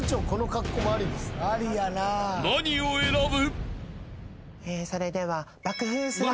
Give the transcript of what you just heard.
［何を選ぶ？］